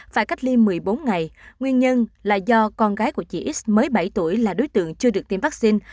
phải cách ly một mươi bốn ngày nguyên nhân là do con gái của chị x mới bảy tuổi là đối tượng chưa được tiêm vaccine